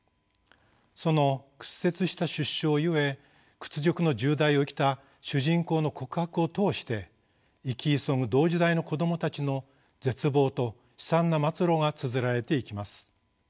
その屈折した出生ゆえ屈辱の１０代を生きた主人公の告白を通して生き急ぐ同時代の子供たちの絶望と悲惨な末路がつづられていきます。